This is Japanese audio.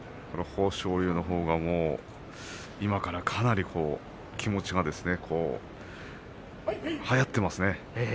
豊昇龍のほうは今からかなり気持ちが、はやっていますね。